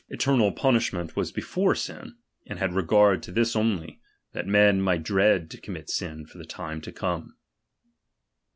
eternal punishment was before siu, and had regard ■'' to this only, that men might dread to commit sin for the time to come.